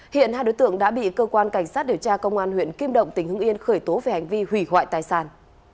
hiện hai đối tượng đã bị cơ quan cảnh sát điều tra công an huyện kim động tỉnh hưng yên khởi tố về hành vi hủy hoại tài sản